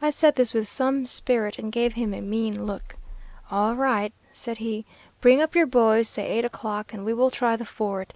I said this with some spirit and gave him a mean look. "'All right,' said he, 'bring up your boys, say eight o'clock, and we will try the ford.